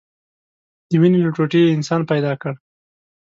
د وينې له ټوټې يې انسان پيدا كړ.